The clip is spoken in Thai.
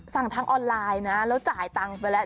ทางออนไลน์นะแล้วจ่ายตังค์ไปแล้ว